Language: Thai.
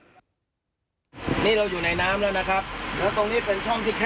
ซึ่งตอนนี้นะคะเราอยู่ในท่อลม๓คนค่ะมีคุณเฮโรธมีดิฉันและมีช่างภาพนะคะ